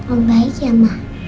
om baik ya ma